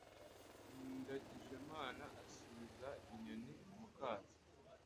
Ndangijemana asubiza inyoni mu kato.